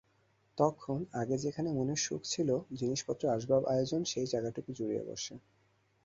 তখন, আগে যেখানে মনের সুখ ছিল জিনিসপত্র আসবাব আয়োজন সেই জায়গাটুকু জুড়িয়া বসে।